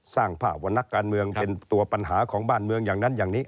สร้างภาพว่านักการเมืองเป็นตัวปัญหาของบ้านเมืองอย่างนั้นอย่างนี้